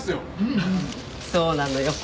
そうなのよ